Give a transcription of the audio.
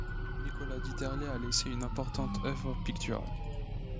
Nicolas Dieterlé a laissé une importante œuvre picturale.